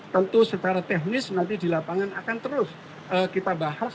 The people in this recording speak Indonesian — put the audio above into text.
tentu secara teknis nanti di lapangan akan terus kita bahas